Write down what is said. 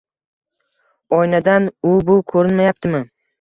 Oynadan u-bu koʻrinyaptimi